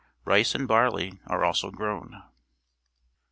Rice and barley are also grown.